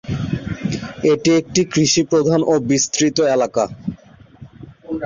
এটি একটি কৃষি প্রধান ও বিস্তৃত এলাকা।